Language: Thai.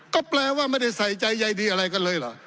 ก็แปลว่าไม่ได้ใส่ใจใยดีอะไรกันเลยเหรอ